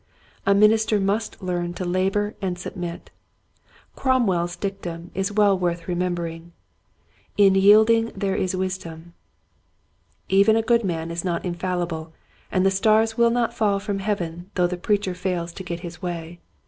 A minister must learn to labor and submit. Cromwell's dictum is worth re membering, " In yielding there is wis dom." Even a good man is not infallible and the stars will not fall from heaven though the preacher fails to get his way.